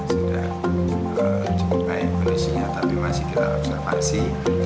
sudah cukup baik kondisinya tapi masih kita observasi